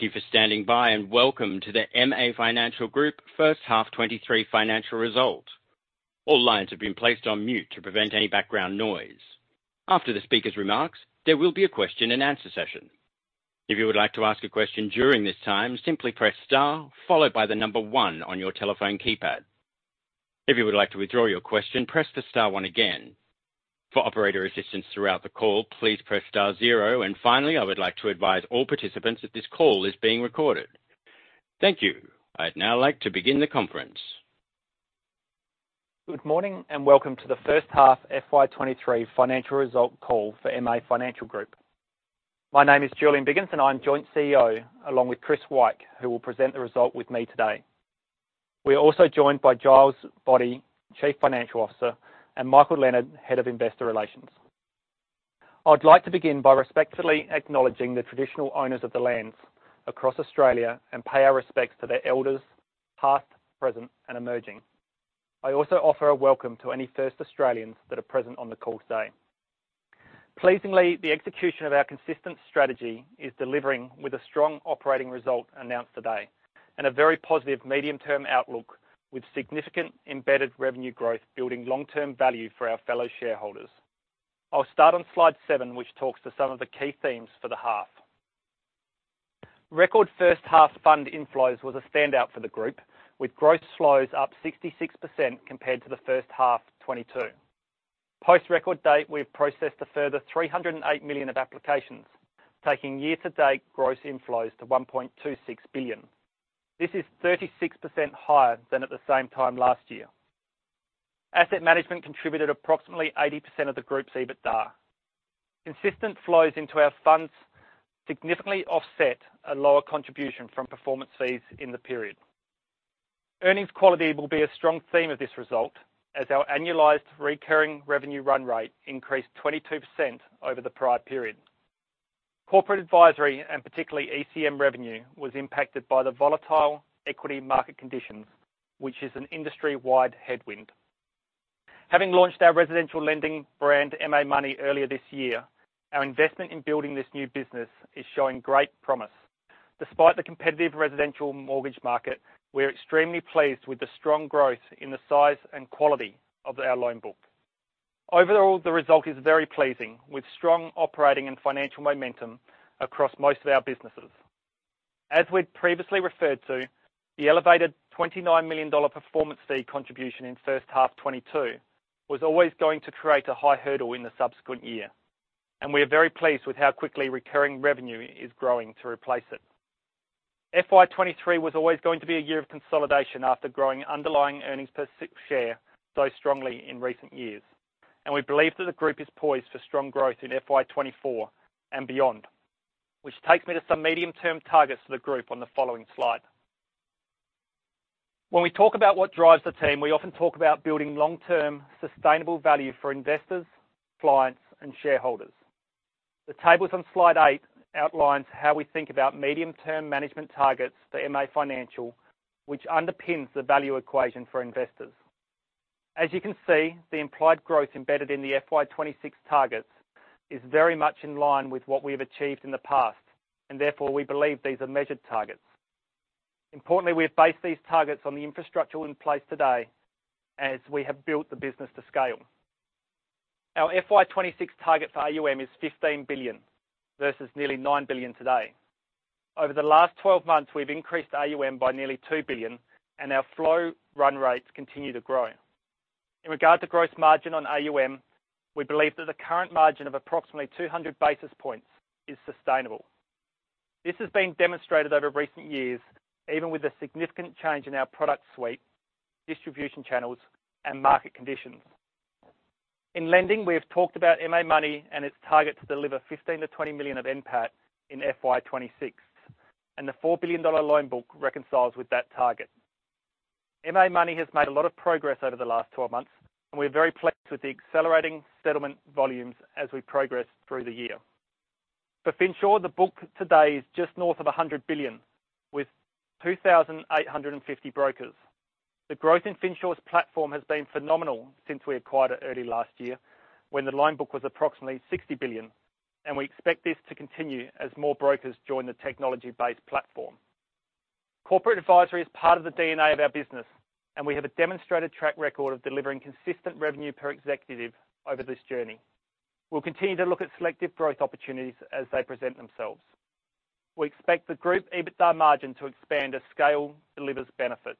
Thank you for standing by, and welcome to the MA Financial Group first half 2023 financial result. All lines have been placed on mute to prevent any background noise. After the speaker's remarks, there will be a question and answer session. If you would like to ask a question during this time, simply press star, followed by the number 1 on your telephone keypad. If you would like to withdraw your question, press the star 1 again. For operator assistance throughout the call, please press star 0, and finally, I would like to advise all participants that this call is being recorded. Thank you. I'd now like to begin the conference. Good morning, and welcome to the first half FY23 financial result call for MA Financial Group. My name is Julian Biggins, and I'm Joint CEO, along with Chris Wyke, who will present the result with me today. We are also joined by Giles Boddy, Chief Financial Officer, and Michael Leonard, Head of Investor Relations. I'd like to begin by respectfully acknowledging the traditional owners of the lands across Australia and pay our respects to their elders, past, present, and emerging. I also offer a welcome to any first Australians that are present on the call today. Pleasingly, the execution of our consistent strategy is delivering with a strong operating result announced today, and a very positive medium-term outlook, with significant embedded revenue growth, building long-term value for our fellow shareholders. I'll start on slide 7, which talks to some of the key themes for the half. Record first half fund inflows was a standout for the group, with gross flows up 66% compared to the first half 2022. Post record date, we've processed a further 308 million of applications, taking year-to-date gross inflows to 1.26 billion. This is 36% higher than at the same time last year. Asset management contributed approximately 80% of the group's EBITDA. Consistent flows into our funds significantly offset a lower contribution from performance fees in the period. Earnings quality will be a strong theme of this result, as our annualized recurring revenue run rate increased 22% over the prior period. Corporate advisory, and particularly ECM revenue, was impacted by the volatile equity market conditions, which is an industry-wide headwind. Having launched our residential lending brand, MA Money, earlier this year, our investment in building this new business is showing great promise. Despite the competitive residential mortgage market, we're extremely pleased with the strong growth in the size and quality of our loan book. Overall, the result is very pleasing, with strong operating and financial momentum across most of our businesses. As we'd previously referred to, the elevated 29 million dollar performance fee contribution in first half 2022 was always going to create a high hurdle in the subsequent year, and we are very pleased with how quickly recurring revenue is growing to replace it. FY 2023 was always going to be a year of consolidation after growing underlying earnings per share so strongly in recent years, and we believe that the group is poised for strong growth in FY 2024 and beyond, which takes me to some medium-term targets for the group on the following slide. When we talk about what drives the team, we often talk about building long-term, sustainable value for investors, clients, and shareholders. The tables on slide 8 outlines how we think about medium-term management targets for MA Financial, which underpins the value equation for investors. As you can see, the implied growth embedded in the FY 2026 targets is very much in line with what we've achieved in the past, and therefore, we believe these are measured targets. Importantly, we have based these targets on the infrastructure in place today as we have built the business to scale. Our FY 2026 target for AUM is 15 billion, versus nearly 9 billion today. Over the last 12 months, we've increased AUM by nearly 2 billion, and our flow run rates continue to grow. In regard to gross margin on AUM, we believe that the current margin of approximately 200 basis points is sustainable. This has been demonstrated over recent years, even with the significant change in our product suite, distribution channels, and market conditions. In lending, we have talked about MA Money and its target to deliver 15 million-20 million of NPAT in FY 2026, and the 4 billion dollar loan book reconciles with that target. MA Money has made a lot of progress over the last 12 months, and we're very pleased with the accelerating settlement volumes as we progress through the year. For Finsure, the book today is just north of 100 billion, with 2,850 brokers. The growth in Finsure's platform has been phenomenal since we acquired it early last year, when the loan book was approximately 60 billion, and we expect this to continue as more brokers join the technology-based platform. Corporate advisory is part of the DNA of our business, and we have a demonstrated track record of delivering consistent revenue per executive over this journey. We'll continue to look at selective growth opportunities as they present themselves. We expect the group EBITDA margin to expand as scale delivers benefits.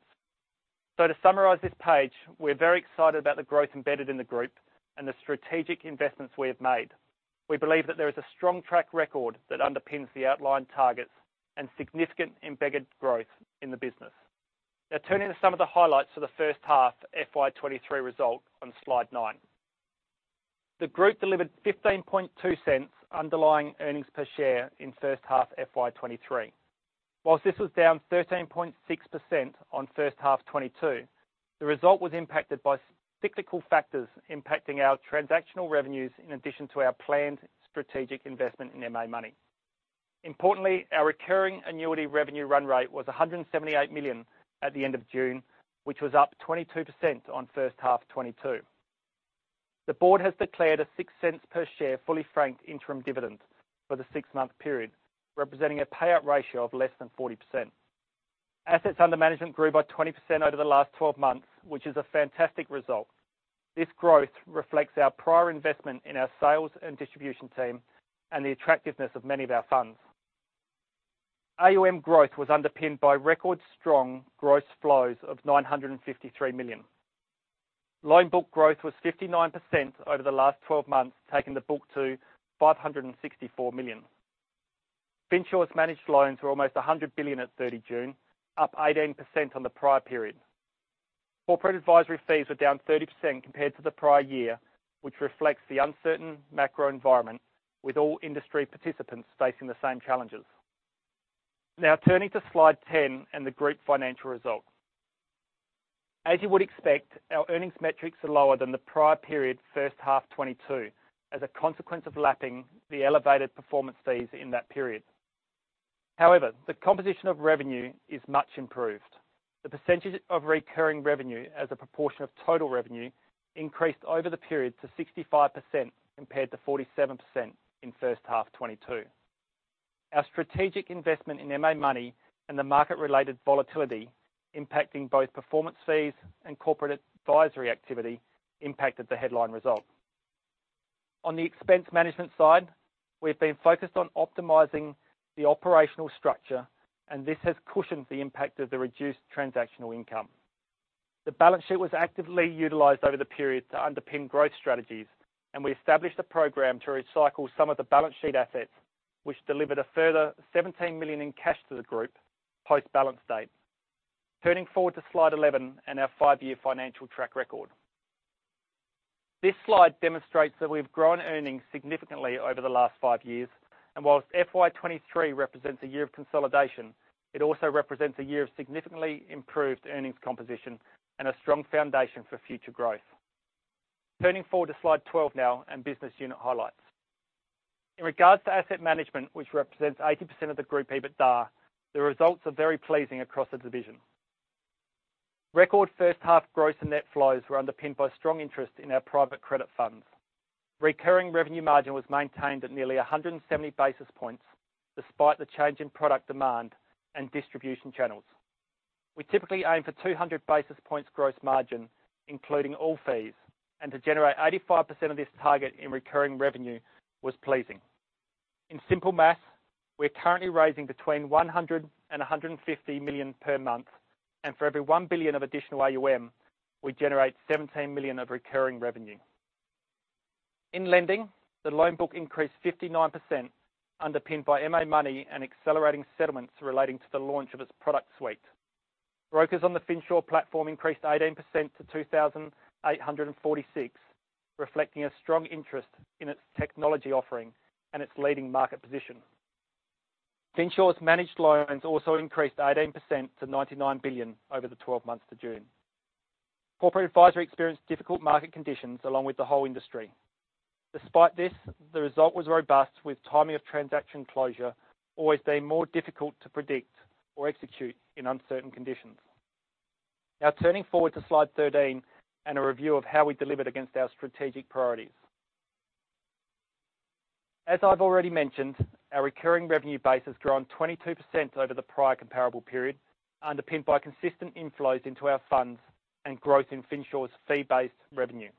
So to summarize this page, we're very excited about the growth embedded in the group and the strategic investments we have made. We believe that there is a strong track record that underpins the outlined targets and significant embedded growth in the business. Now, turning to some of the highlights for the first half FY 2023 result on slide 9. The group delivered 0.152 underlying earnings per share in first half FY 2023. While this was down 13.6% on first half 2022, the result was impacted by cyclical factors impacting our transactional revenues in addition to our planned strategic investment in MA Money. Importantly, our recurring annuity revenue run rate was 178 million at the end of June, which was up 22% on first half 2022.... The board has declared a 0.06 per share, fully franked interim dividend for the six-month period, representing a payout ratio of less than 40%. Assets under management grew by 20% over the last 12 months, which is a fantastic result. This growth reflects our prior investment in our sales and distribution team, and the attractiveness of many of our funds. AUM growth was underpinned by record strong gross flows of 953 million. Loan book growth was 59% over the last 12 months, taking the book to 564 million. Finsure's managed loans were almost 100 billion at 30 June, up 18% on the prior period. Corporate advisory fees were down 30% compared to the prior year, which reflects the uncertain macro environment, with all industry participants facing the same challenges. Now, turning to Slide 10 and the group financial results. As you would expect, our earnings metrics are lower than the prior period, first half 2022, as a consequence of lapping the elevated performance fees in that period. However, the composition of revenue is much improved. The percentage of recurring revenue as a proportion of total revenue increased over the period to 65%, compared to 47% in first half 2022. Our strategic investment in MA Money and the market-related volatility, impacting both performance fees and corporate advisory activity, impacted the headline result. On the expense management side, we've been focused on optimizing the operational structure, and this has cushioned the impact of the reduced transactional income. The balance sheet was actively utilized over the period to underpin growth strategies, and we established a program to recycle some of the balance sheet assets, which delivered a further 17 million in cash to the group post-balance date. Turning forward to Slide 11 and our 5-year financial track record. This slide demonstrates that we've grown earnings significantly over the last five years, and while FY 2023 represents a year of consolidation, it also represents a year of significantly improved earnings composition and a strong foundation for future growth. Turning forward to Slide 12 now, and business unit highlights. In regards to asset management, which represents 80% of the group EBITDA, the results are very pleasing across the division. Record first half gross and net flows were underpinned by strong interest in our private credit funds. Recurring revenue margin was maintained at nearly 170 basis points, despite the change in product demand and distribution channels. We typically aim for 200 basis points gross margin, including all fees, and to generate 85% of this target in recurring revenue was pleasing. In simple math, we're currently raising between 100 million and 150 million per month, and for every 1 billion of additional AUM, we generate 17 million of recurring revenue. In lending, the loan book increased 59%, underpinned by MA Money and accelerating settlements relating to the launch of its product suite. Brokers on the Finsure platform increased 18% to 2,846, reflecting a strong interest in its technology offering and its leading market position. Finsure's managed loans also increased 18% to 99 billion over the twelve months to June. Corporate advisory experienced difficult market conditions along with the whole industry. Despite this, the result was robust, with timing of transaction closure always being more difficult to predict or execute in uncertain conditions. Now, turning forward to Slide 13, and a review of how we delivered against our strategic priorities. As I've already mentioned, our recurring revenue base has grown 22% over the prior comparable period, underpinned by consistent inflows into our funds and growth in Finsure's fee-based revenue.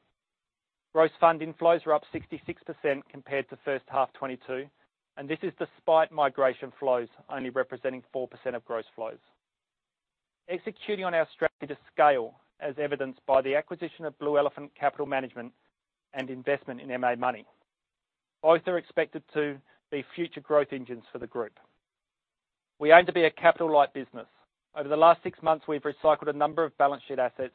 Gross fund inflows are up 66% compared to first half 2022, and this is despite migration flows only representing 4% of gross flows. Executing on our strategy to scale, as evidenced by the acquisition of Blue Elephant Capital Management and investment in MA Money. Both are expected to be future growth engines for the group. We aim to be a capital-light business. Over the last six months, we've recycled a number of balance sheet assets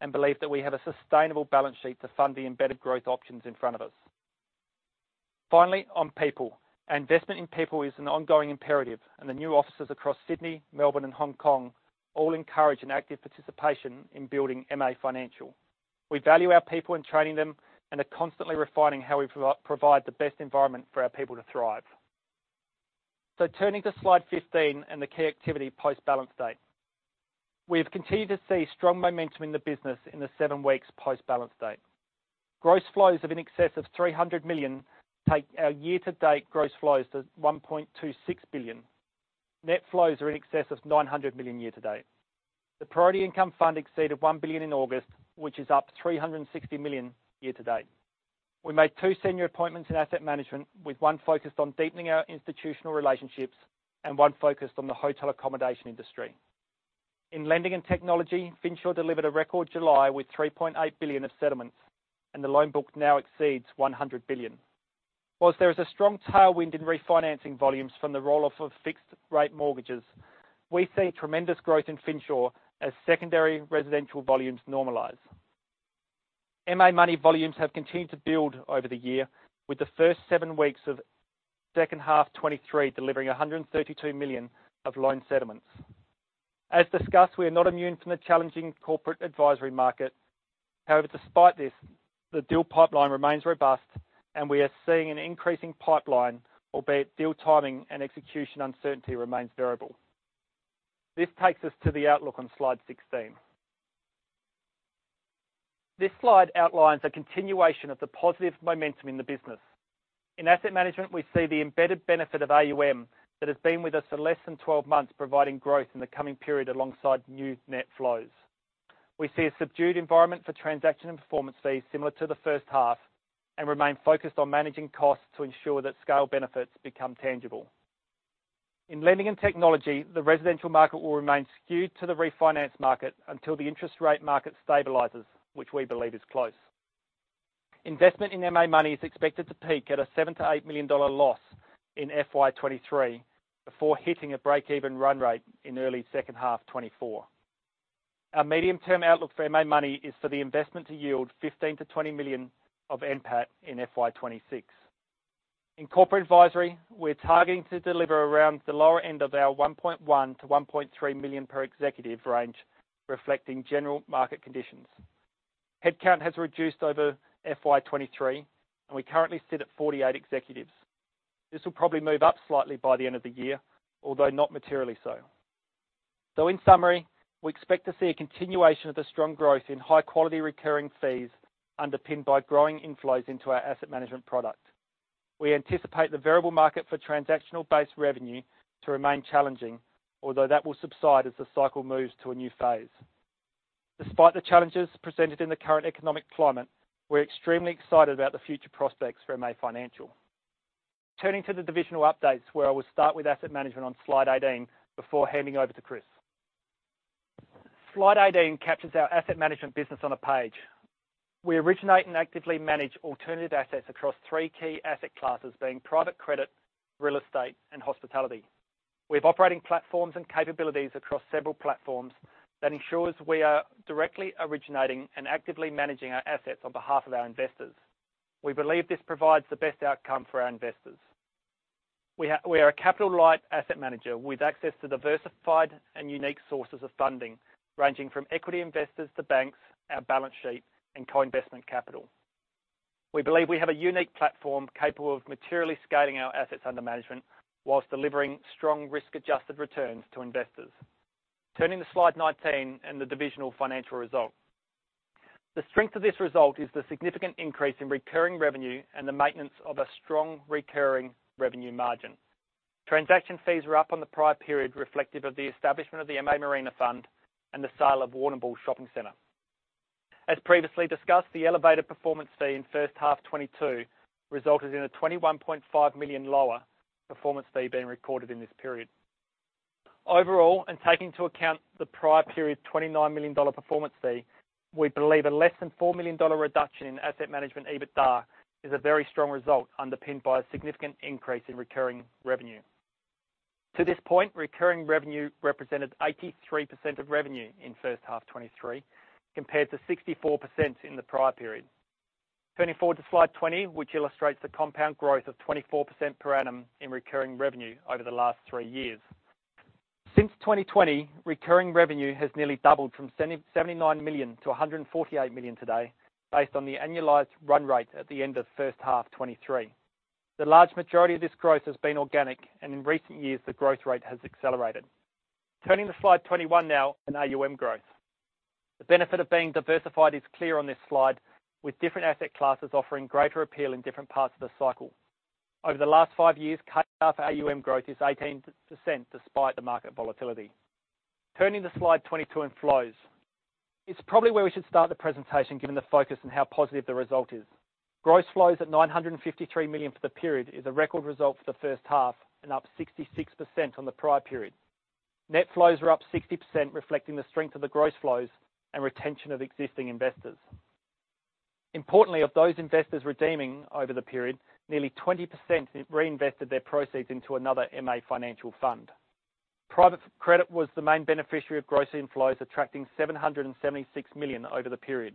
and believe that we have a sustainable balance sheet to fund the embedded growth options in front of us. Finally, on people. Our investment in people is an ongoing imperative, and the new offices across Sydney, Melbourne, and Hong Kong all encourage an active participation in building MA Financial. We value our people in training them and are constantly refining how we provide the best environment for our people to thrive. So turning to Slide 15 and the key activity post-balance date. We have continued to see strong momentum in the business in the seven weeks post-balance date. Gross flows of in excess of 300 million take our year-to-date gross flows to 1.26 billion. Net flows are in excess of 900 million year to date. The Priority Income Fund exceeded 1 billion in August, which is up 360 million year to date. We made two senior appointments in asset management, with one focused on deepening our institutional relationships and one focused on the hotel accommodation industry. In lending and technology, Finsure delivered a record July with 3.8 billion of settlements, and the loan book now exceeds 100 billion. While there is a strong tailwind in refinancing volumes from the roll-off of fixed rate mortgages, we see tremendous growth in Finsure as secondary residential volumes normalize. MA Money volumes have continued to build over the year, with the first 7 weeks of second half 2023, delivering 132 million of loan settlements. As discussed, we are not immune from the challenging corporate advisory market. However, despite this, the deal pipeline remains robust and we are seeing an increasing pipeline, albeit deal timing and execution uncertainty remains variable. This takes us to the outlook on slide 16. This slide outlines a continuation of the positive momentum in the business. In asset management, we see the embedded benefit of AUM that has been with us for less than 12 months, providing growth in the coming period alongside new net flows. We see a subdued environment for transaction and performance fees similar to the first half, and remain focused on managing costs to ensure that scale benefits become tangible. In lending and technology, the residential market will remain skewed to the refinance market until the interest rate market stabilizes, which we believe is close. Investment in MA Money is expected to peak at a 7 million-8 million dollar loss in FY 2023, before hitting a break-even run rate in early second half 2024. Our medium-term outlook for MA Money is for the investment to yield 15 million-20 million of NPAT in FY 2026. In corporate advisory, we're targeting to deliver around the lower end of our 1.1 million-1.3 million per executive range, reflecting general market conditions. Headcount has reduced over FY 2023, and we currently sit at 48 executives. This will probably move up slightly by the end of the year, although not materially so. So in summary, we expect to see a continuation of the strong growth in high-quality recurring fees, underpinned by growing inflows into our asset management product. We anticipate the variable market for transactional-based revenue to remain challenging, although that will subside as the cycle moves to a new phase. Despite the challenges presented in the current economic climate, we're extremely excited about the future prospects for MA Financial. Turning to the divisional updates, where I will start with asset management on Slide 18, before handing over to Chris. Slide 18 captures our asset management business on a page. We originate and actively manage alternative assets across three key asset classes, being private credit, real estate, and hospitality. We have operating platforms and capabilities across several platforms that ensures we are directly originating and actively managing our assets on behalf of our investors. We believe this provides the best outcome for our investors. We are a capital-light asset manager with access to diversified and unique sources of funding, ranging from equity investors to banks, our balance sheet, and co-investment capital. We believe we have a unique platform capable of materially scaling our assets under management, while delivering strong risk-adjusted returns to investors. Turning to Slide 19 and the divisional financial results. The strength of this result is the significant increase in recurring revenue and the maintenance of a strong recurring revenue margin. Transaction fees were up on the prior period, reflective of the establishment of the MA Marina Fund and the sale of Warrnambool Shopping Centre. As previously discussed, the elevated performance fee in first half 2022 resulted in a 21.5 million lower performance fee being recorded in this period. Overall, and taking into account the prior period, 29 million dollar performance fee, we believe a less than 4 million dollar reduction in asset management EBITDA is a very strong result, underpinned by a significant increase in recurring revenue. To this point, recurring revenue represented 83% of revenue in first half 2023, compared to 64% in the prior period. Turning forward to Slide 20, which illustrates the compound growth of 24% per annum in recurring revenue over the last three years. Since 2020, recurring revenue has nearly doubled from 779 million to 148 million today, based on the annualized run rate at the end of first half 2023. The large majority of this growth has been organic, and in recent years, the growth rate has accelerated. Turning to Slide 21 now on AUM growth. The benefit of being diversified is clear on this slide, with different asset classes offering greater appeal in different parts of the cycle. Over the last five years, cumulated AUM growth is 18%, despite the market volatility. Turning to Slide 22 on flows. It's probably where we should start the presentation, given the focus on how positive the result is. Gross flows at 953 million for the period is a record result for the first half, and up 66% on the prior period. Net flows are up 60%, reflecting the strength of the gross flows and retention of existing investors. Importantly, of those investors redeeming over the period, nearly 20% reinvested their proceeds into another MA Financial fund. Private credit was the main beneficiary of gross inflows, attracting 776 million over the period.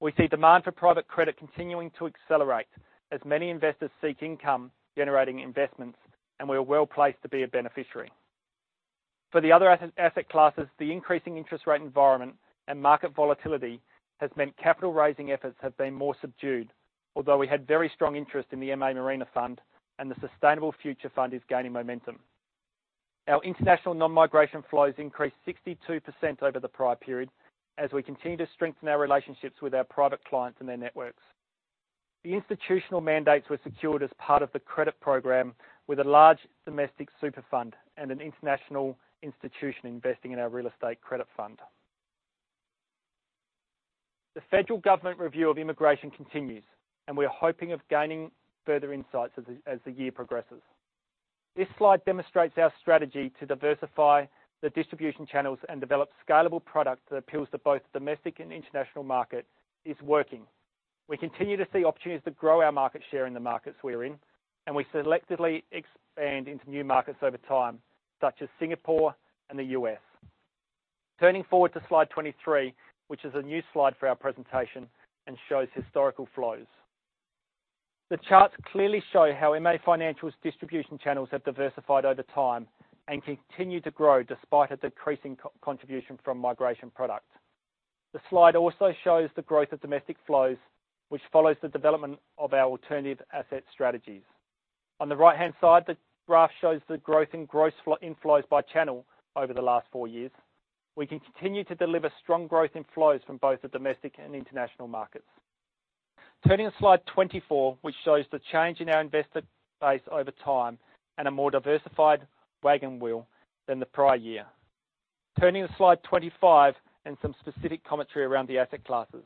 We see demand for private credit continuing to accelerate as many investors seek income-generating investments, and we are well-placed to be a beneficiary. For the other asset classes, the increasing interest rate environment and market volatility has meant capital raising efforts have been more subdued, although we had very strong interest in the MA Marina Fund, and the Sustainable Future Fund is gaining momentum. Our international non-migration flows increased 62% over the prior period, as we continue to strengthen our relationships with our private clients and their networks. The institutional mandates were secured as part of the credit program with a large domestic super fund and an international institution investing in our real estate credit fund. The federal government review of immigration continues, and we are hoping of gaining further insights as the year progresses. This slide demonstrates our strategy to diversify the distribution channels and develop scalable products that appeals to both domestic and international market is working. We continue to see opportunities to grow our market share in the markets we are in, and we selectively expand into new markets over time, such as Singapore and the U.S. Turning forward to Slide 23, which is a new slide for our presentation and shows historical flows. The charts clearly show how MA Financial's distribution channels have diversified over time and continue to grow despite a decreasing co-contribution from migration products. The slide also shows the growth of domestic flows, which follows the development of our alternative asset strategies. On the right-hand side, the graph shows the growth in gross flow inflows by channel over the last four years. We can continue to deliver strong growth in flows from both the domestic and international markets. Turning to Slide 24, which shows the change in our investor base over time and a more diversified wagon wheel than the prior year. Turning to Slide 25 and some specific commentary around the asset classes.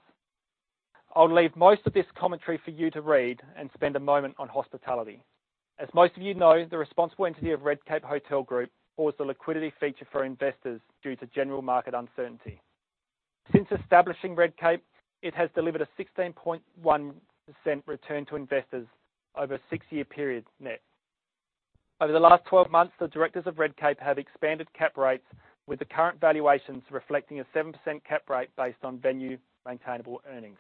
I'll leave most of this commentary for you to read and spend a moment on hospitality. As most of you know, the responsible entity of Redcape Hotel Group paused the liquidity feature for investors due to general market uncertainty. Since establishing Redcape, it has delivered a 16.1% return to investors over a six-year period net. Over the last 12 months, the directors of Redcape have expanded cap rates, with the current valuations reflecting a 7% cap rate based on venue maintainable earnings.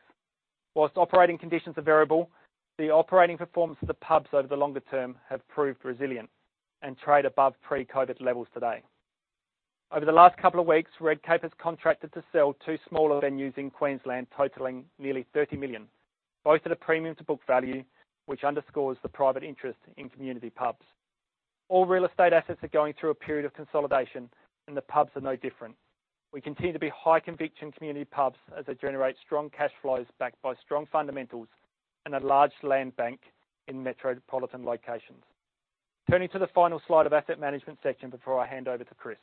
While operating conditions are variable, the operating performance of the pubs over the longer term have proved resilient and trade above pre-COVID levels today. Over the last couple of weeks, Redcape has contracted to sell two smaller venues in Queensland, totaling nearly 30 million, both at a premium to book value, which underscores the private interest in community pubs. All real estate assets are going through a period of consolidation, and the pubs are no different. We continue to be high conviction community pubs as they generate strong cash flows, backed by strong fundamentals and a large land bank in metropolitan locations. Turning to the final slide of asset management section before I hand over to Chris.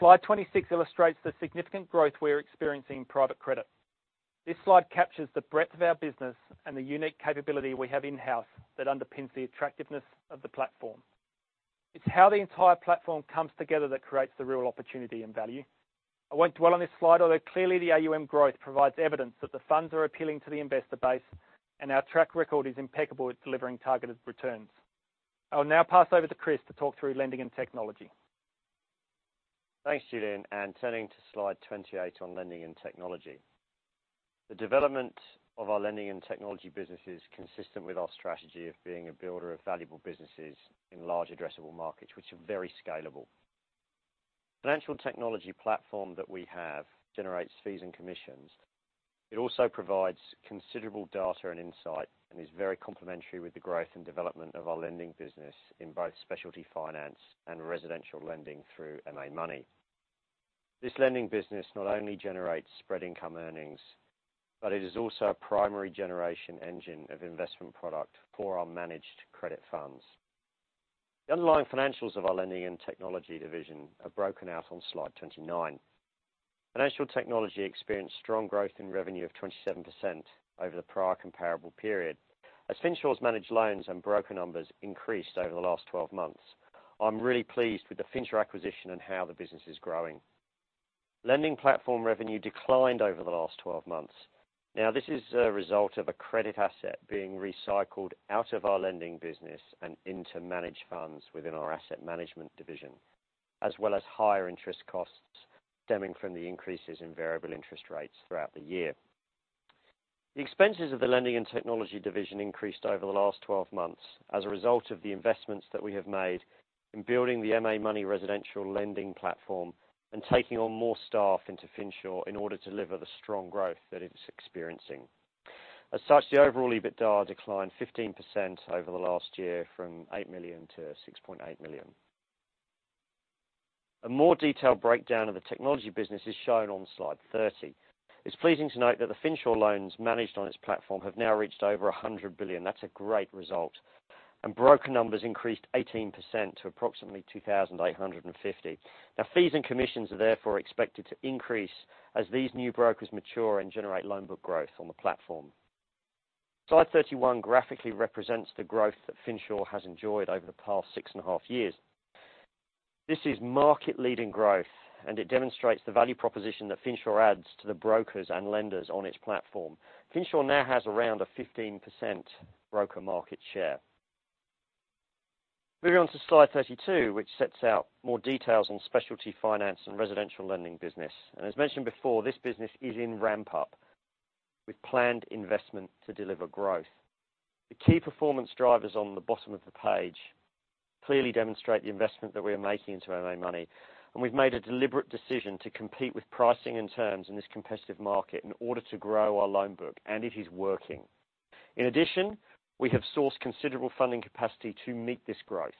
Slide 26 illustrates the significant growth we're experiencing in private credit. This slide captures the breadth of our business and the unique capability we have in-house that underpins the attractiveness of the platform. It's how the entire platform comes together that creates the real opportunity and value. I won't dwell on this slide, although clearly the AUM growth provides evidence that the funds are appealing to the investor base, and our track record is impeccable at delivering targeted returns. I'll now pass over to Chris to talk through lending and technology. Thanks, Julian, and turning to Slide 28 on lending and technology. The development of our lending and technology business is consistent with our strategy of being a builder of valuable businesses in large addressable markets, which are very scalable. Financial technology platform that we have generates fees and commissions. It also provides considerable data and insight and is very complementary with the growth and development of our lending business in both specialty finance and residential lending through MA Money. This lending business not only generates spread income earnings, but it is also a primary generation engine of investment product for our managed credit funds. The underlying financials of our lending and technology division are broken out on Slide 29. Financial technology experienced strong growth in revenue of 27% over the prior comparable period, as Finsure's managed loans and broker numbers increased over the last 12 months. I'm really pleased with the Finsure acquisition and how the business is growing. Lending platform revenue declined over the last 12 months. Now, this is a result of a credit asset being recycled out of our lending business and into managed funds within our asset management division, as well as higher interest costs stemming from the increases in variable interest rates throughout the year. The expenses of the lending and technology division increased over the last 12 months as a result of the investments that we have made in building the MA Money residential lending platform and taking on more staff into Finsure in order to deliver the strong growth that it's experiencing. As such, the overall EBITDA declined 15% over the last year, from 8 million to 6.8 million. A more detailed breakdown of the technology business is shown on Slide 30. It's pleasing to note that the Finsure loans managed on its platform have now reached over 100 billion. That's a great result. Broker numbers increased 18% to approximately 2,850. Now, fees and commissions are therefore expected to increase as these new brokers mature and generate loan book growth on the platform. Slide 31 graphically represents the growth that Finsure has enjoyed over the past six and a half years. This is market-leading growth, and it demonstrates the value proposition that Finsure adds to the brokers and lenders on its platform. Finsure now has around a 15% broker market share. Moving on to Slide 32, which sets out more details on specialty finance and residential lending business. As mentioned before, this business is in ramp up with planned investment to deliver growth. The key performance drivers on the bottom of the page clearly demonstrate the investment that we are making into MA Money, and we've made a deliberate decision to compete with pricing and terms in this competitive market in order to grow our loan book, and it is working. In addition, we have sourced considerable funding capacity to meet this growth.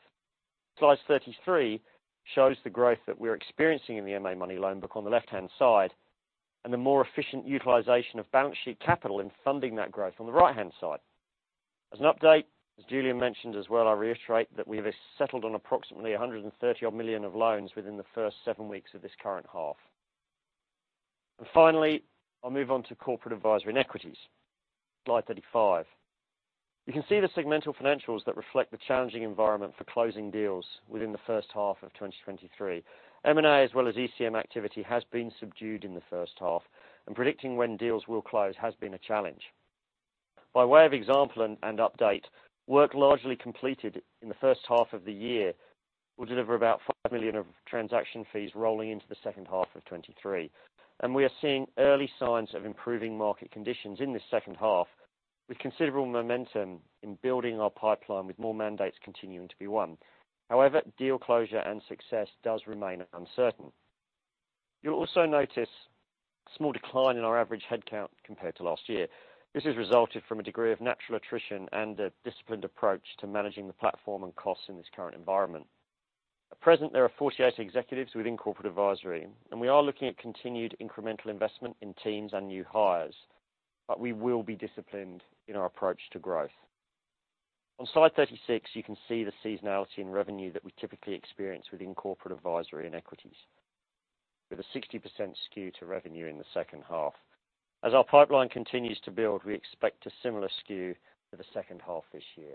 Slide 33 shows the growth that we're experiencing in the MA Money loan book on the left-hand side, and the more efficient utilization of balance sheet capital in funding that growth on the right-hand side. As an update, as Julian mentioned as well, I reiterate that we have settled on approximately 130-odd million of loans within the first 7 weeks of this current half. Finally, I'll move on to corporate advisory and equities. Slide 35. You can see the segmental financials that reflect the challenging environment for closing deals within the first half of 2023. M&A, as well as ECM activity, has been subdued in the first half, and predicting when deals will close has been a challenge. By way of example and update, work largely completed in the first half of the year will deliver about 5 million of transaction fees rolling into the second half of 2023. And we are seeing early signs of improving market conditions in this second half... with considerable momentum in building our pipeline, with more mandates continuing to be won. However, deal closure and success does remain uncertain. You'll also notice a small decline in our average headcount compared to last year. This has resulted from a degree of natural attrition and a disciplined approach to managing the platform and costs in this current environment. At present, there are 48 executives within corporate advisory, and we are looking at continued incremental investment in teams and new hires, but we will be disciplined in our approach to growth. On slide 36, you can see the seasonality in revenue that we typically experience within corporate advisory and equities, with a 60% skew to revenue in the second half. As our pipeline continues to build, we expect a similar skew for the second half this year.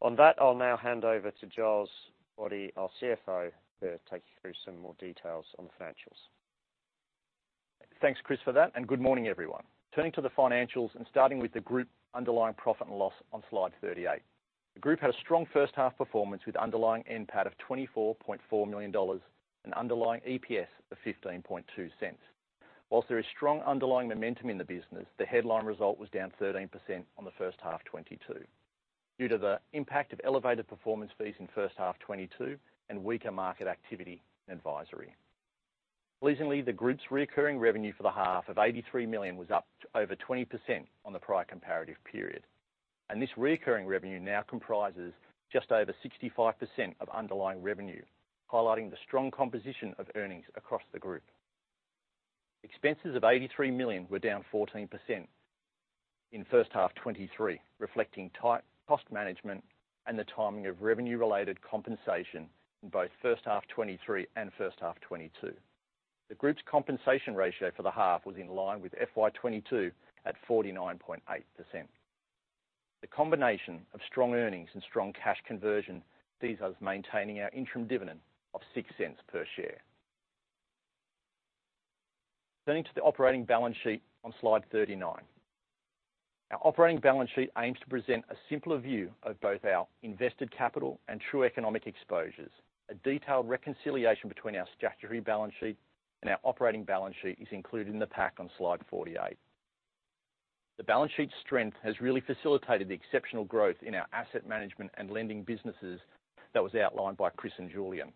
On that, I'll now hand over to Giles Boddy, our CFO, to take you through some more details on the financials. Thanks, Chris, for that, and good morning, everyone. Turning to the financials and starting with the group underlying profit and loss on slide 38. The group had a strong first half performance with underlying NPAT of 24.4 million dollars and underlying EPS of 0.152. While there is strong underlying momentum in the business, the headline result was down 13% on the first half 2022, due to the impact of elevated performance fees in first half 2022 and weaker market activity in advisory. Pleasingly, the group's recurring revenue for the half of 83 million was up to over 20% on the prior comparative period, and this recurring revenue now comprises just over 65% of underlying revenue, highlighting the strong composition of earnings across the group. Expenses of 83 million were down 14% in first half 2023, reflecting tight cost management and the timing of revenue-related compensation in both first half 2023 and first half 2022. The group's compensation ratio for the half was in line with FY 2022, at 49.8%. The combination of strong earnings and strong cash conversion sees us maintaining our interim dividend of 0.06 per share. Turning to the operating balance sheet on slide 39. Our operating balance sheet aims to present a simpler view of both our invested capital and true economic exposures. A detailed reconciliation between our statutory balance sheet and our operating balance sheet is included in the pack on slide 48. The balance sheet strength has really facilitated the exceptional growth in our asset management and lending businesses that was outlined by Chris and Julian.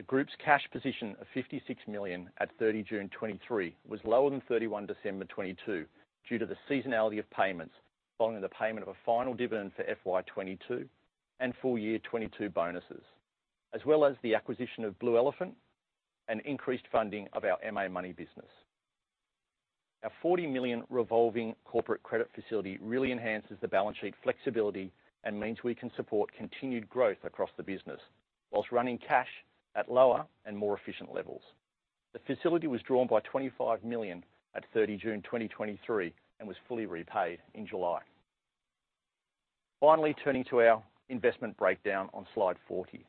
The group's cash position of 56 million at 30 June 2023 was lower than 31 December 2022, due to the seasonality of payments, following the payment of a final dividend for FY 2022 and full year 2022 bonuses, as well as the acquisition of Blue Elephant and increased funding of our MA Money business. Our 40 million revolving corporate credit facility really enhances the balance sheet flexibility and means we can support continued growth across the business, while running cash at lower and more efficient levels. The facility was drawn by 25 million at 30 June 2023, and was fully repaid in July. Finally, turning to our investment breakdown on Slide 40.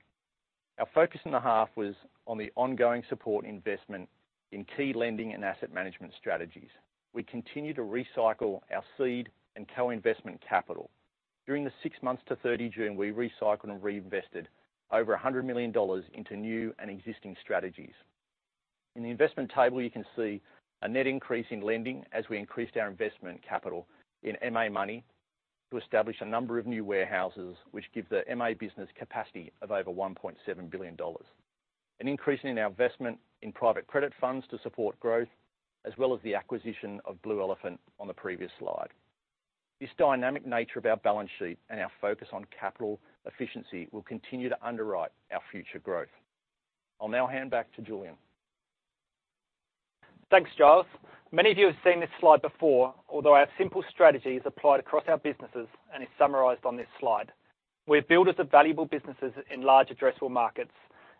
Our focus in the half was on the ongoing support investment in key lending and asset management strategies. We continue to recycle our seed and co-investment capital. During the six months to 30 June, we recycled and reinvested over 100 million dollars into new and existing strategies. In the investment table, you can see a net increase in lending as we increased our investment capital in MA Money to establish a number of new warehouses, which give the MA business capacity of over 1.7 billion dollars. An increase in our investment in private credit funds to support growth, as well as the acquisition of Blue Elephant on the previous slide. This dynamic nature of our balance sheet and our focus on capital efficiency will continue to underwrite our future growth. I'll now hand back to Julian. Thanks, Giles. Many of you have seen this slide before, although our simple strategy is applied across our businesses and is summarized on this slide. We're builders of valuable businesses in large addressable markets,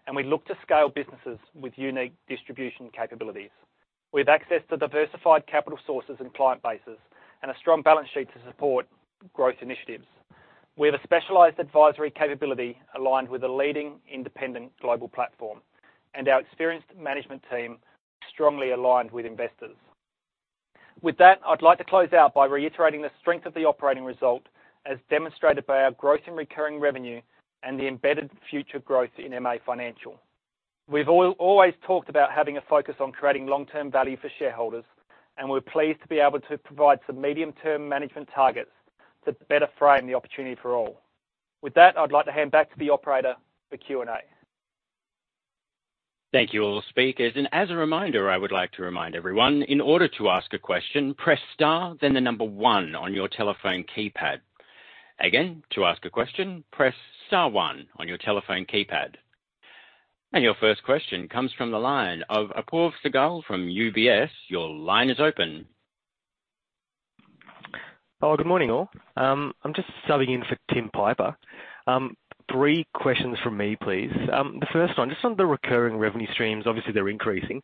and we look to scale businesses with unique distribution capabilities. We have access to diversified capital sources and client bases, and a strong balance sheet to support growth initiatives. We have a specialized advisory capability aligned with a leading independent global platform, and our experienced management team strongly aligned with investors. With that, I'd like to close out by reiterating the strength of the operating result, as demonstrated by our growth in recurring revenue and the embedded future growth in MA Financial. We've always talked about having a focus on creating long-term value for shareholders, and we're pleased to be able to provide some medium-term management targets to better frame the opportunity for all. With that, I'd like to hand back to the operator for Q&A. Thank you, all the speakers. As a reminder, I would like to remind everyone, in order to ask a question, press star, then the number one on your telephone keypad. Again, to ask a question, press star one on your telephone keypad. Your first question comes from the line of Apoorv Sehgal from UBS. Your line is open. Oh, good morning, all. I'm just subbing in for Tim Piper. Three questions from me, please. The first one, just on the recurring revenue streams, obviously, they're increasing.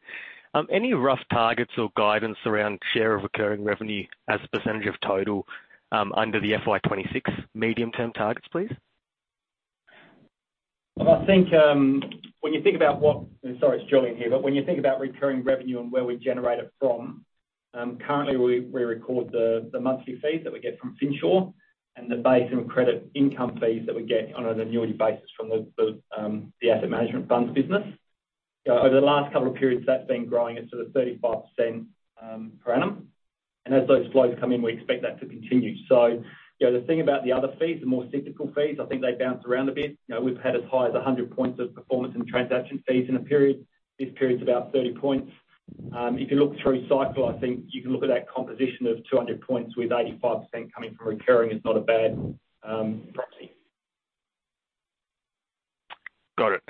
Any rough targets or guidance around share of recurring revenue as a percentage of total, under the FY 26 medium-term targets, please? Well, I think. Sorry, it's Julian here. But when you think about recurring revenue and where we generate it from, currently we record the monthly fees that we get from Finsure and the base and credit income fees that we get on an annuity basis from the asset management funds business. ...Over the last couple of periods, that's been growing at sort of 35%, per annum. And as those flows come in, we expect that to continue. So you know, the thing about the other fees, the more cyclical fees, I think they bounce around a bit. You know, we've had as high as 100 points of performance and transaction fees in a period. This period is about 30 points. If you look through cycle, I think you can look at that composition of 200 points, with 85% coming from recurring, is not a bad proxy. Got it.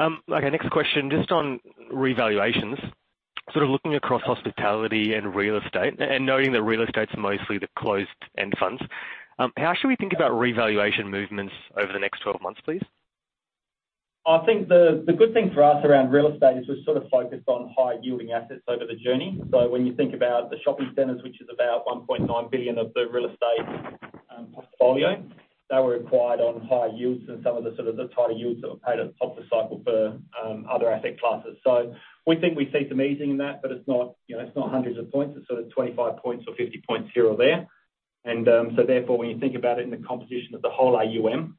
Okay, next question, just on revaluations. Sort of looking across hospitality and real estate, and knowing that real estate's mostly the closed-end funds, how should we think about revaluation movements over the next 12 months, please? I think the good thing for us around real estate is we're sort of focused on high-yielding assets over the journey. So when you think about the shopping centers, which is about 1.9 billion of the real estate portfolio, they were acquired on higher yields and some of the sort of the tighter yields that were paid at the top of the cycle for other asset classes. So we think we see some easing in that, but it's not, you know, it's not hundreds of points. It's sort of 25 points or 50 points here or there. And so therefore, when you think about it in the composition of the whole AUM,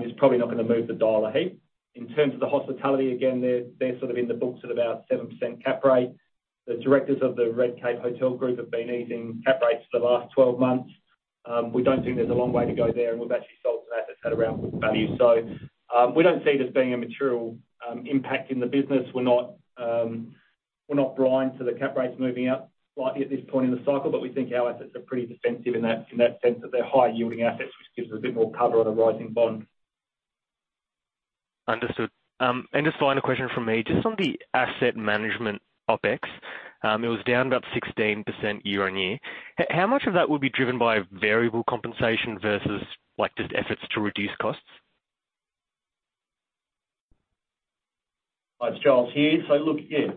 it's probably not going to move the dial a heap. In terms of the hospitality, again, they're sort of in the books at about 7% cap rate. The directors of the Redcape Hotel Group have been easing cap rates for the last 12 months. We don't think there's a long way to go there, and we've actually sold some assets at around book value. So, we don't see this being a material impact in the business. We're not, we're not blind to the cap rates moving up slightly at this point in the cycle, but we think our assets are pretty defensive in that, in that sense, that they're high-yielding assets, which gives us a bit more cover on a rising bond. Understood. And just final question from me, just on the asset management OpEx, it was down about 16% year-on-year. How much of that would be driven by variable compensation versus, like, just efforts to reduce costs? It's Giles here. So look, yeah,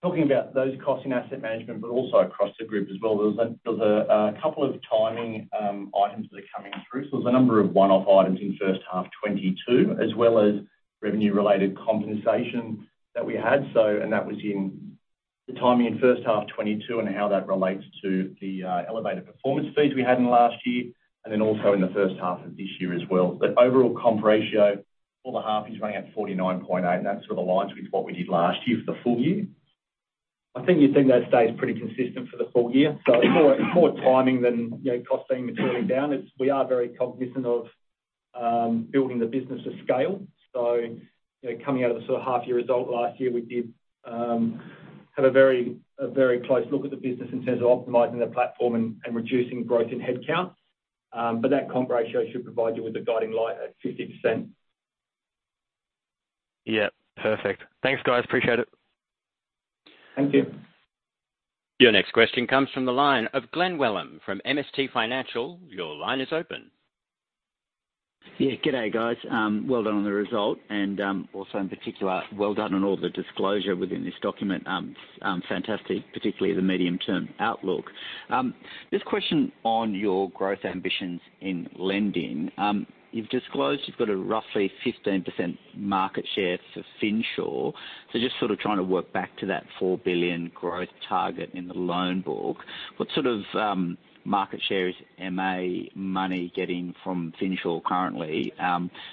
talking about those costs in asset management, but also across the group as well, there was a couple of timing items that are coming through. So there was a number of one-off items in first half 2022, as well as revenue-related compensation that we had. So, and that was in the timing in first half 2022, and how that relates to the elevated performance fees we had in last year, and then also in the first half of this year as well. But overall comp ratio for the half is running at 49.8%, and that sort of aligns with what we did last year for the full year. I think you'd think that stays pretty consistent for the full year. So it's more timing than, you know, cost being materially down. It's we are very cognizant of building the business of scale. So, you know, coming out of the sort of half year result last year, we did have a very, a very close look at the business in terms of optimizing the platform and reducing growth in headcount. But that comp ratio should provide you with a guiding light at 50%. Yeah. Perfect. Thanks, guys. Appreciate it. Thank you. Your next question comes from the line of Glenn Wellham from MST Financial. Your line is open. Yeah. Good day, guys. Well done on the result and, also in particular, well done on all the disclosure within this document. Fantastic, particularly the medium-term outlook. This question on your growth ambitions in lending. You've disclosed you've got a roughly 15% market share for Finsure. So just sort of trying to work back to that 4 billion growth target in the loan book, what sort of market share is MA Money getting from Finsure currently?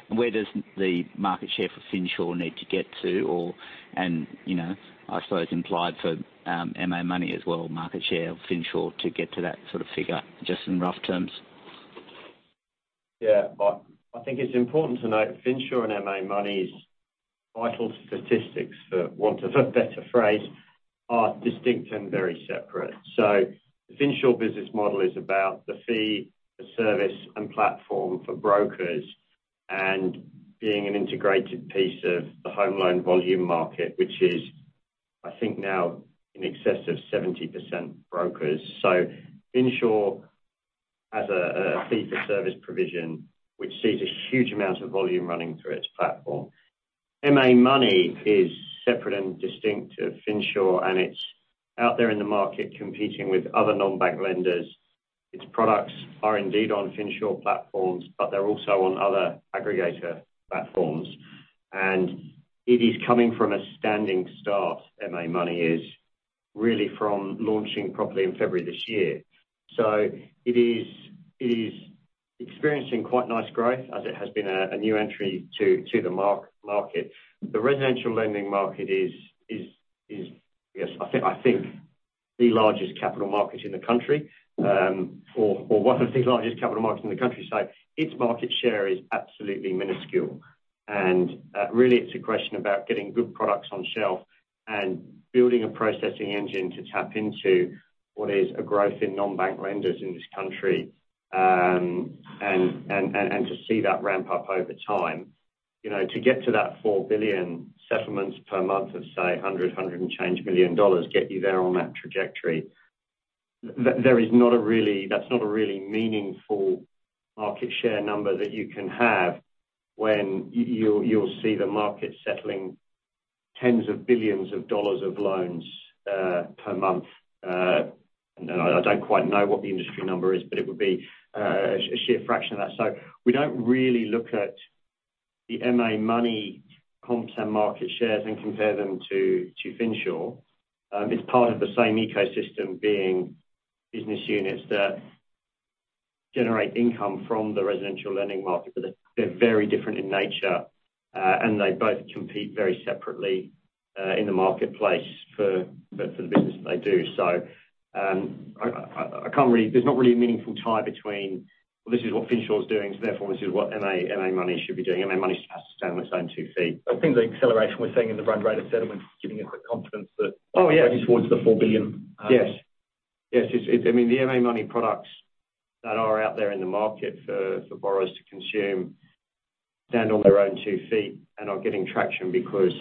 Where does the market share for Finsure need to get to, or, and, you know, I suppose, implied for MA Money as well, market share of Finsure to get to that sort of figure, just in rough terms? Yeah, I think it's important to note, Finsure and MA Money's vital statistics, for want of a better phrase, are distinct and very separate. So the Finsure business model is about the fee, the service, and platform for brokers, and being an integrated piece of the home loan volume market, which is, I think, now in excess of 70% brokers. So Finsure has a fee for service provision, which sees a huge amount of volume running through its platform. MA Money is separate and distinct to Finsure, and it's out there in the market competing with other non-bank lenders. Its products are indeed on Finsure platforms, but they're also on other aggregator platforms. And it is coming from a standing start, MA Money is, really from launching properly in February this year. So it is experiencing quite nice growth, as it has been a new entry to the market. The residential lending market is, yes, I think the largest capital market in the country, or one of the largest capital markets in the country. So its market share is absolutely minuscule. And really, it's a question about getting good products on shelf and building a processing engine to tap into what is a growth in non-bank lenders in this country, and to see that ramp up over time. You know, to get to that 4 billion settlements per month of, say, 100, 100 and change million dollars, get you there on that trajectory, there is not a really meaningful market share number that you can have when you'll see the market settling tens of billions of dollars of loans per month. And I don't quite know what the industry number is, but it would be a sheer fraction of that. So we don't really look at the MA Money comps and market shares and compare them to Finsure. It's part of the same ecosystem being business units that generate income from the residential lending market, but they're very different in nature, and they both compete very separately in the marketplace for the business that they do. So, I can't really— There's not really a meaningful tie between, "Well, this is what Finsure is doing, so therefore this is what MA Money should be doing." MA Money has to stand on its own two feet. I think the acceleration we're seeing in the run rate of settlements is giving us the confidence that— Oh, yeah. Heading towards the 4 billion. Yes. Yes, it's... I mean, the MA Money products that are out there in the market for borrowers to consume stand on their own two feet and are getting traction because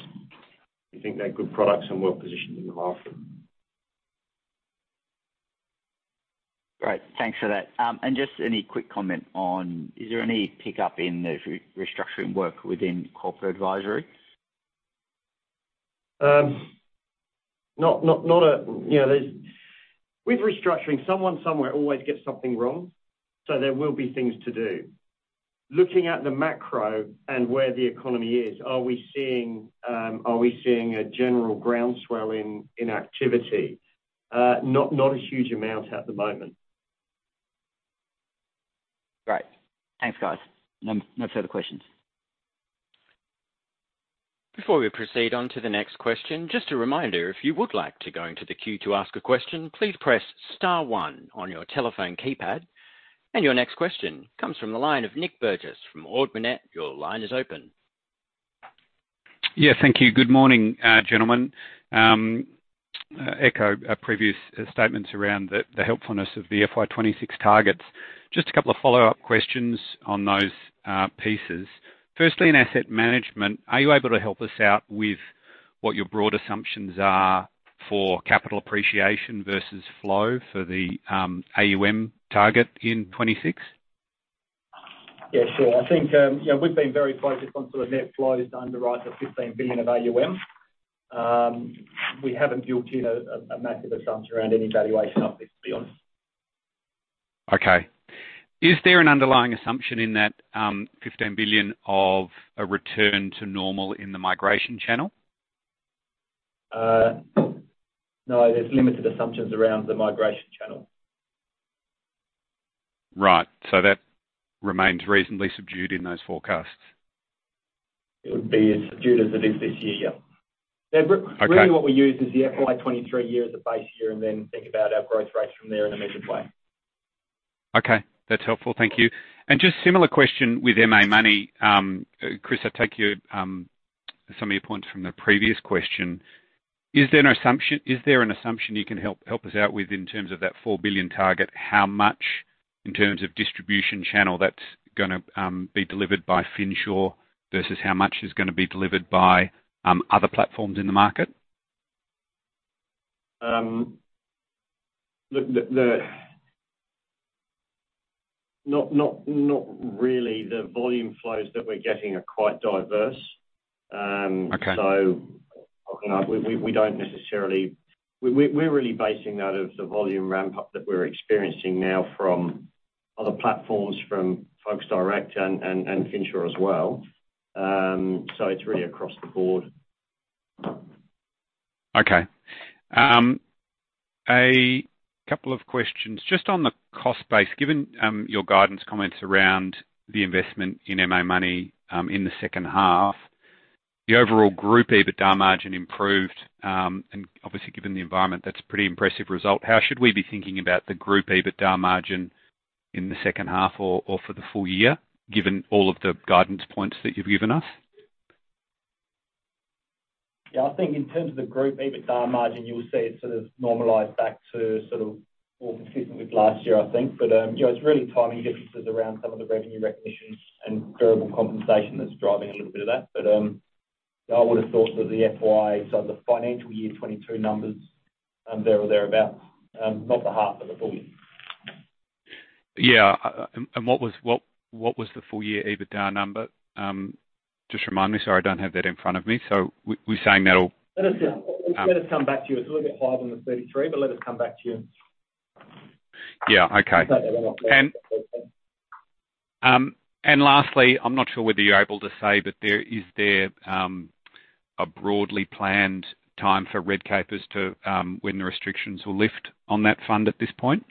we think they're good products and well-positioned in the market. Great, thanks for that. And just any quick comment on, is there any pickup in the restructuring work within corporate advisory? Not a, you know, there's. With restructuring, someone somewhere always gets something wrong, so there will be things to do. Looking at the macro and where the economy is, are we seeing a general groundswell in activity? Not a huge amount at the moment. Great. Thanks, guys. No further questions. Before we proceed on to the next question, just a reminder, if you would like to go into the queue to ask a question, please press star one on your telephone keypad. And your next question comes from the line of Nick Burgess from Ord Minnett. Your line is open. Yeah, thank you. Good morning, gentlemen. Echo previous statements around the, the helpfulness of the FY 2026 targets. Just a couple of follow-up questions on those pieces. Firstly, in asset management, are you able to help us out with what your broad assumptions are for capital appreciation versus flow for the AUM target in 2026? Yeah, sure. I think, you know, we've been very focused on sort of net flow to underwrite the 15 billion of AUM. We haven't built in a massive assumption around any valuation uplift, to be honest. Okay. Is there an underlying assumption in that, 15 billion of a return to normal in the migration channel? No, there's limited assumptions around the migration channel. Right. So that remains reasonably subdued in those forecasts? It would be as subdued as it is this year, yeah. Okay. Really, what we use is the FY 2023 year as a base year, and then think about our growth rates from there in a measured way. Okay, that's helpful. Thank you. And just similar question with MA Money. Chris, I'll take your some of your points from the previous question. Is there an assumption, is there an assumption you can help us out with in terms of that 4 billion target? How much, in terms of distribution channel, that's gonna be delivered by Finsure versus how much is gonna be delivered by other platforms in the market? Look, not really. The volume flows that we're getting are quite diverse. Okay. So, we don't necessarily... We're really basing that of the volume ramp-up that we're experiencing now from other platforms, from Folks Direct and Finsure as well. So it's really across the board. Okay. A couple of questions. Just on the cost base, given your guidance comments around the investment in MA Money, in the second half, the overall group EBITDA margin improved, and obviously, given the environment, that's a pretty impressive result. How should we be thinking about the group EBITDA margin in the second half or, or for the full year, given all of the guidance points that you've given us? Yeah, I think in terms of the group EBITDA margin, you'll see it sort of normalize back to sort of more consistent with last year, I think. But, you know, it's really timing differences around some of the revenue recognition and variable compensation that's driving a little bit of that. But, I would have thought that the FY, so the financial year 2022 numbers, there or thereabouts, not the half of the full year. Yeah, and what was the full year EBITDA number? Just remind me. Sorry, I don't have that in front of me, so we're saying that'll- Let us, let us come back to you. It's a little bit higher than the 33, but let us come back to you. Yeah, okay. And- And lastly, I'm not sure whether you're able to say, but is there a broadly planned time for Redcape as to when the restrictions will lift on that fund at this point?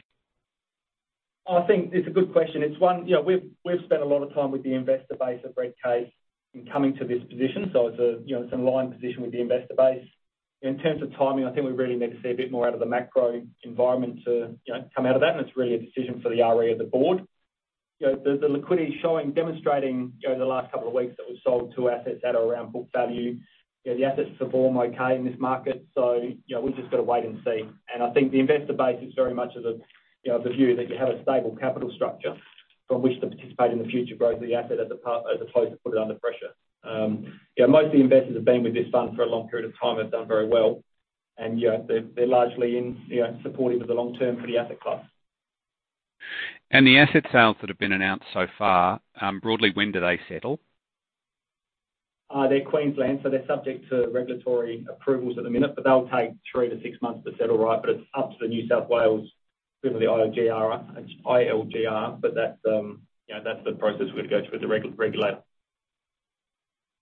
I think it's a good question. It's one, you know, we've spent a lot of time with the investor base of Redcape in coming to this position, so it's, you know, it's an aligned position with the investor base. In terms of timing, I think we really need to see a bit more out of the macro environment to, you know, come out of that, and it's really a decision for the RE of the board. You know, the liquidity is showing, demonstrating, you know, in the last couple of weeks, that we've sold two assets at around book value. You know, the assets perform okay in this market, so, you know, we've just got to wait and see. I think the investor base is very much of the, you know, the view that you have a stable capital structure from which to participate in the future growth of the asset as opposed to put it under pressure. You know, most of the investors have been with this fund for a long period of time, have done very well, and, you know, they're largely in, you know, supportive of the long term for the asset class. The asset sales that have been announced so far, broadly, when do they settle? They're Queensland, so they're subject to regulatory approvals at the minute, but they'll take 3-6 months to settle, right? But it's up to the New South Wales, with the IOGR, ILGR. But that's, you know, that's the process we've got to go through with the regulator.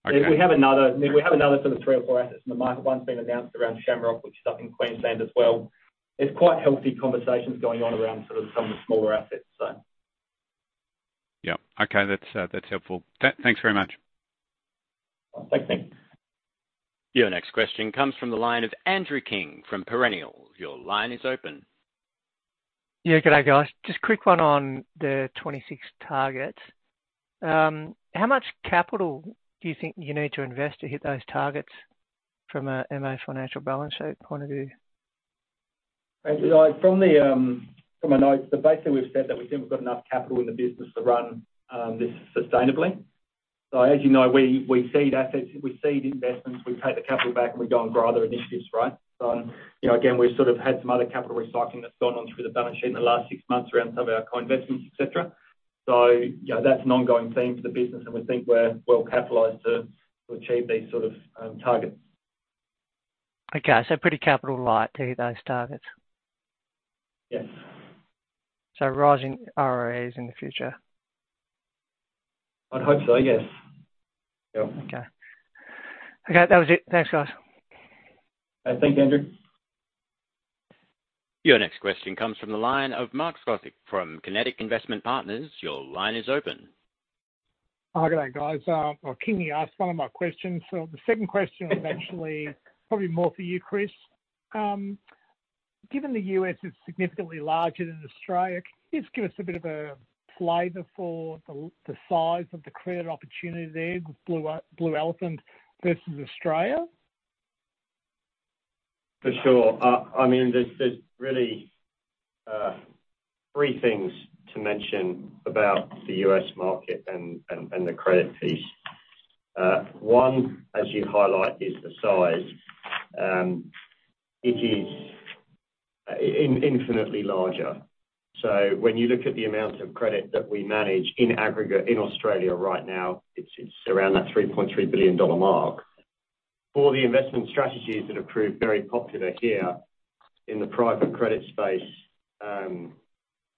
We have another, we have another sort of 3 or 4 assets in the market. One's been announced around Shamrock, which is up in Queensland as well. It's quite healthy conversations going on around sort of some of the smaller assets, so. Yeah. Okay. That's that's helpful. Thanks very much. Thank you. Your next question comes from the line of Andrew King from Perennial. Your line is open. Yeah, good day, guys. Just a quick one on the 26 targets. How much capital do you think you need to invest to hit those targets from a MA Financial balance sheet point of view? From my notes, but basically, we've said that we think we've got enough capital in the business to run this sustainably. So as you know, we seed assets, we seed investments, we pay the capital back, and we go and grow other initiatives, right? So, you know, again, we've sort of had some other capital recycling that's gone on through the balance sheet in the last six months around some of our co-investments, et cetera. So, you know, that's an ongoing theme for the business, and we think we're well capitalized to achieve these sort of targets. Okay, so pretty capital light to hit those targets? Yes. Rising ROEs in the future? I'd hope so, yes. Yeah. Okay. Okay, that was it. Thanks, guys. Thanks, Andrew. Your next question comes from the line of Mark Scott from Kinetic Investment Partners. Your line is open. Hi, good day, guys. Well, King, you asked one of my questions. So the second question is actually probably more for you, Chris. Given the US is significantly larger than Australia, can you just give us a bit of a flavor for the size of the credit opportunity there with Blue Elephant versus Australia? For sure. I mean, there's really three things to mention about the U.S. market and the credit piece. One, as you highlight, is the size. It is infinitely larger. So when you look at the amount of credit that we manage in aggregate in Australia right now, it's around that 3.3 billion dollar mark. For the investment strategies that have proved very popular here in the private credit space,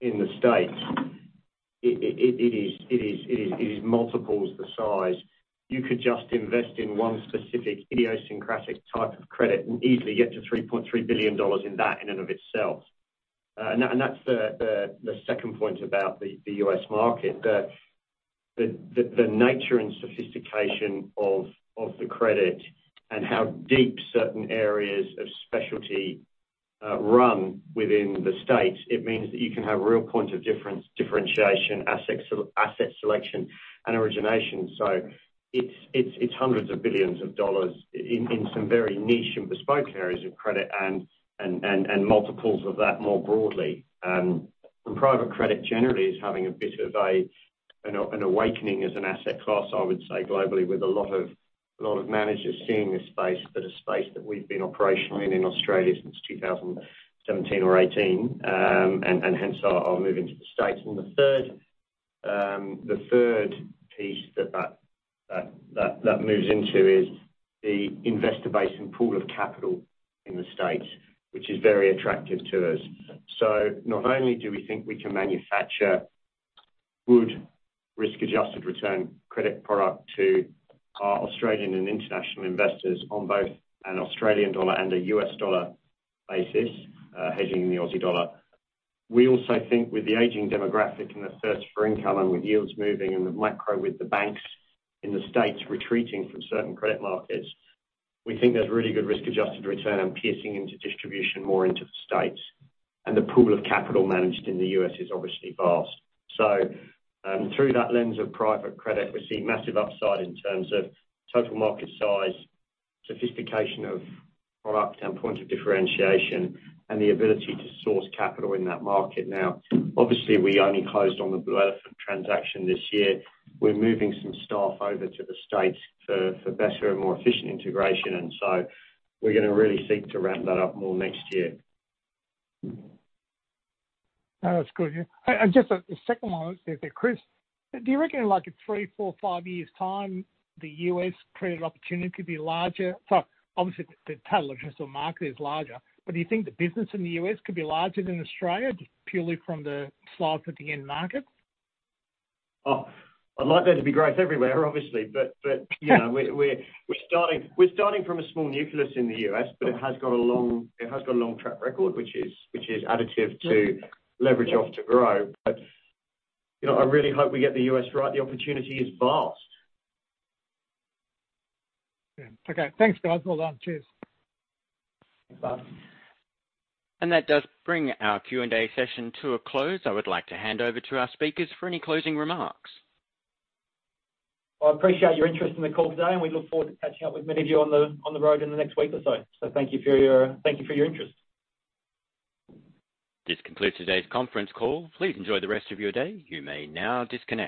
in the States, it is multiples the size. You could just invest in one specific idiosyncratic type of credit and easily get to 3.3 billion dollars in that in and of itself. And that's the second point about the U.S. market. The nature and sophistication of the credit and how deep certain areas of specialty run within the states, it means that you can have real points of difference, differentiation, asset selection, and origination. So it's $hundreds of billions in some very niche and bespoke areas of credit and multiples of that more broadly. And private credit generally is having a bit of an awakening as an asset class, I would say globally, with a lot of managers seeing this space, but a space that we've been operational in in Australia since 2017 or 2018, and hence our move into the States. And the third piece that moves into is the investor base and pool of capital in the States, which is very attractive to us. So not only do we think we can manufacture good risk-adjusted return credit product to our Australian and international investors on both an Australian dollar and a US dollar basis, hedging the Aussie dollar, we also think with the aging demographic and the search for income and with yields moving and the macro with the banks in the States retreating from certain credit markets, we think there's really good risk-adjusted return and piercing into distribution more into the States. And the pool of capital managed in the U.S. is obviously vast. So, through that lens of private credit, we see massive upside in terms of total market size, sophistication of product, and point of differentiation, and the ability to source capital in that market. Now, obviously, we only closed on the Blue Elephant transaction this year. We're moving some staff over to the States for better and more efficient integration, and so we're gonna really seek to ramp that up more next year. That's good, yeah. And just the second one, Chris, do you reckon in like a 3, 4, 5 years time, the U.S. credit opportunity could be larger? So obviously, the total addressable market is larger, but do you think the business in the U.S. could be larger than Australia, just purely from the size of the end market? Oh, I'd like there to be growth everywhere, obviously. But you know, we're starting from a small nucleus in the U.S., but it has got a long track record, which is additive to leverage off to grow. But you know, I really hope we get the U.S. right. The opportunity is vast. Yeah. Okay. Thanks, guys. Well done. Cheers. Bye. That does bring our Q&A session to a close. I would like to hand over to our speakers for any closing remarks. I appreciate your interest in the call today, and we look forward to catching up with many of you on the road in the next week or so. So thank you for your interest. This concludes today's conference call. Please enjoy the rest of your day. You may now disconnect.